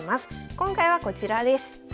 今回はこちらです。